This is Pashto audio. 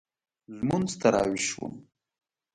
لمونځ ته راوېښ شوم.